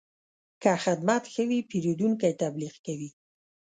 که خدمت ښه وي، پیرودونکی تبلیغ کوي.